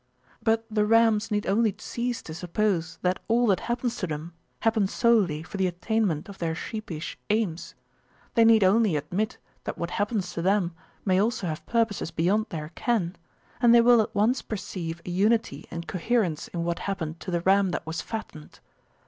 But the rams need only cease to suppose that all that happens to them happens solely for the attainment of their sheepish aims; they need only admit that what happens to them may also have purposes beyond their ken, and they will at once perceive a unity and coherence in what happened to the ram that was fattened.